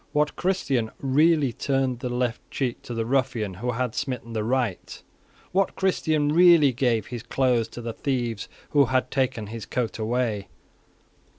What Christian really turned the left cheek to the ruffian who had smitten the right? What Christian really gave his cloak to the thieves who had taken his coat away?